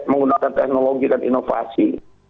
menggunakan teknologi dan inovasi